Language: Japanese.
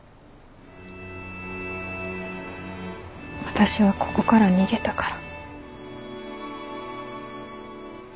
私はここから逃げたから。